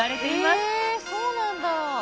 えそうなんだ。